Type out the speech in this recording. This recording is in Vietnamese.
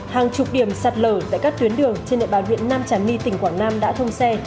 hàng chục điểm sạt lở tại các tuyến đường trên đại bà nguyễn nam trà my tỉnh quảng nam đã thông xe